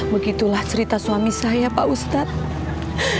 begitulah cerita suami saya pak ustadz